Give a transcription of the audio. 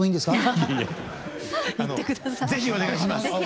是非お願いします。